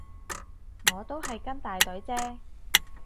我都係跟大隊啫